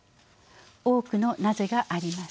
多くの「なぜ」があります。